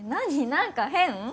何か変？